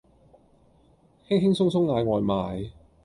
輕輕鬆鬆嗌外賣